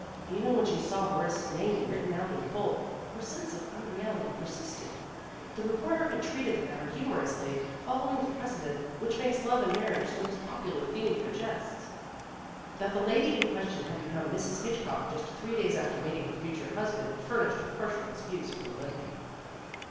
Even when she saw Horace's name written out in full, her sense of unreality persisted. The reporter had treated the matter humorously, following the precedent which makes love and marriage the most popular theme for jests. That the lady in question had become Mrs. Hitchcock just three days after meeting her future husband fur nished a partial excuse for the levity.